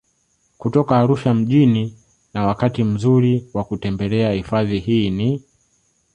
Kutoka Arusha mjini na wakati mzuri wa kutembelea hifadhi hii ni